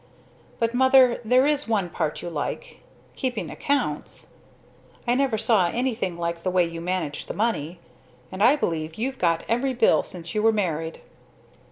"But, Mother, there is one part you like keeping accounts! I never saw anything like the way you manage the money, and I believe you've got every bill since you were married."